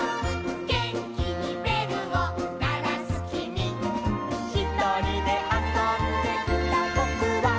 「げんきにべるをならすきみ」「ひとりであそんでいたぼくは」